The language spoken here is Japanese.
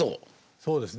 そうですね